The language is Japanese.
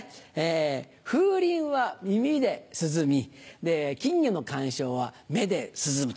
風鈴は耳で涼み金魚の観賞は目で涼むと。